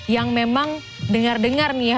yang memang dengar dengar nih ya